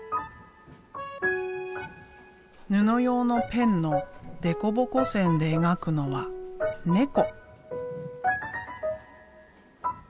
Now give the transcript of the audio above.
布用のペンのデコボコ線で描くのは「猫」。